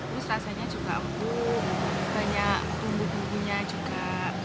terus rasanya juga empuk banyak bumbu bumbunya juga